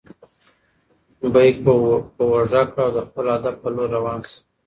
بیک په اوږه کړه او د خپل هدف په لور روان شه.